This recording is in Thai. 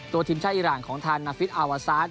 ทีมชาติอิราณของทางนาฟิตอาวาซาส